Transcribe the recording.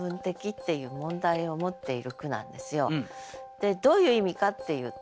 これもねどういう意味かっていうと